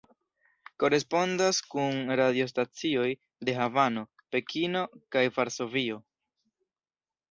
Korespondas kun radiostacioj de Havano, Pekino, kaj Varsovio.